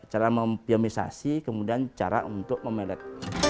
cara mempiomisasi kemudian cara untuk memelet